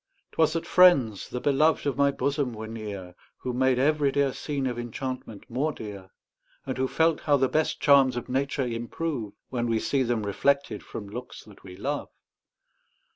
'Twas that friends, the beloved of my bosom, were near, Who made every dear scene of enchantment more dear, And who felt how the best charms of nature improve, When we see them reflected from looks that we love.